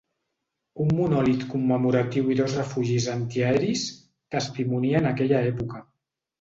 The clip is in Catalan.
Un monòlit commemoratiu i dos refugis antiaeris testimonien aquella època.